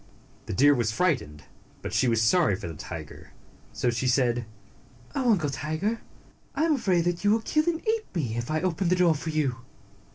The deer was frightened, but she was sorry for the tiger, so she said, "Oh, Uncle Tiger! I am afraid that you will kill me and eat me if I open the door for you."